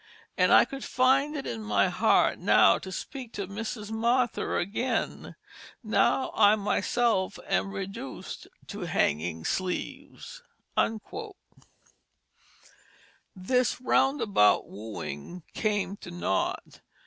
And I could find it in my heart now to speak to Mrs Martha again, now I myself am reduc'd to Hanging Sleeves." This roundabout wooing came to naught.